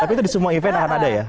tapi itu di semua event akan ada ya